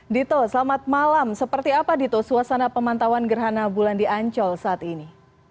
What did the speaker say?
dito selamat malam seperti apa dito suasana pemantauan gerhana bulan di ancol saat ini